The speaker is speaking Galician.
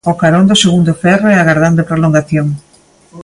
A carón do segundo ferro e agardando a prolongación.